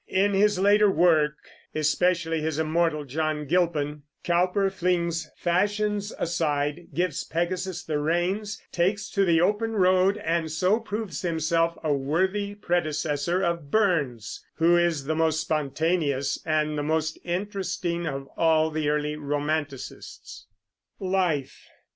In his later work, especially his immortal "John Gilpin," Cowper flings fashions aside, gives Pegasus the reins, takes to the open road, and so proves himself a worthy predecessor of Burns, who is the most spontaneous and the most interesting of all the early romanticists. LIFE.